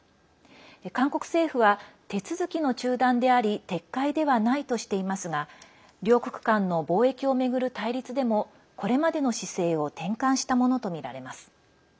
韓国政府は手続きの中断であり撤回ではないとしていますが両国間の貿易を巡る対立でもこれまでの姿勢を転換したものとみられます。